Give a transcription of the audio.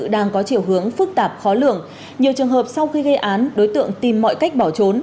đang có chiều hướng phức tạp khó lường nhiều trường hợp sau khi gây án đối tượng tìm mọi cách bỏ trốn